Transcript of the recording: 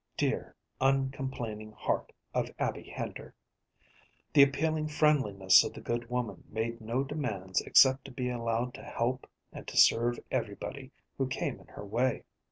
Dear, uncomplaining heart of Abby Hender! The appealing friendliness of the good woman made no demands except to be allowed to help and to serve everybody who came in her way.